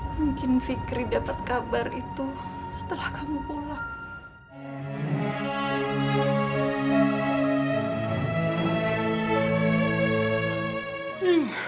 mungkin fikri dapat kabar itu setelah kamu pulang